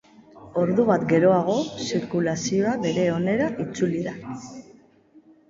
Ordu bat geroago, zirkulazioa bere onera itzuli da.